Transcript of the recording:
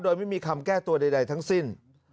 โดยไม่มีคำแก้ตัวใดทั้งสิ้น